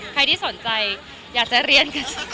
ใครที่สนใจอยากจะเรียน